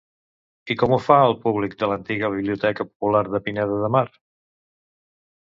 I com ho fa el públic de l'antiga Biblioteca Popular de Pineda de Mar?